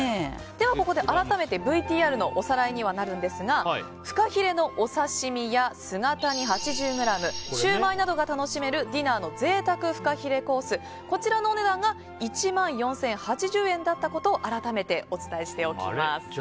ここで改めてＶＴＲのおさらいにはなるんですがフカヒレのお刺し身や姿煮、８０ｇシューマイなどが楽しめるディナーの贅沢フカヒレコースこちらのお値段が１万４０８０円だったことを改めてお伝えしておきます。